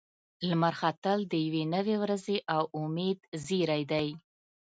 لمر ختل د یوې نوې ورځې او امید زیری دی.